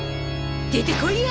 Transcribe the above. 出てこいや！